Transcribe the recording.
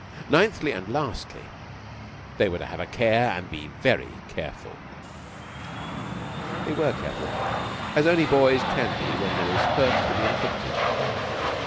Ninthly, and lastly, they were to have a care and to be very careful. They were careful, as only boys can be when there is a hurt to be inflicted.